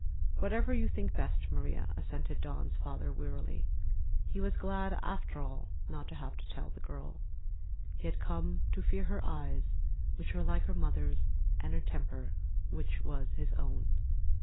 "Whatever you think best, Maria," assented Dawn's father wearily. He was glad, after all, not to have to tell the girl. He had come to fear her eyes, which were like her mother's, and her temper, which was his own.